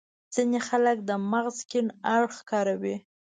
ځينې خلک د مغز کڼ اړخ کاروي.